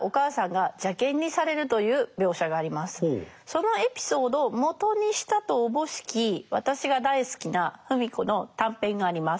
そのエピソードをもとにしたとおぼしき私が大好きな芙美子の短編があります。